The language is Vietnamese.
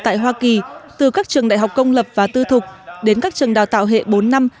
tại hoa kỳ từ các trường đại học công lập và tư thục đến các trường đào tạo hệ bốn năm